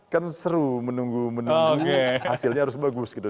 kan seru menunggu menunggu hasilnya harus bagus gitu